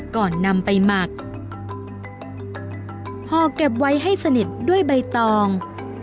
ก่อนนำไปหมักห่อเก็บไว้ให้สนิทด้วยใบตอง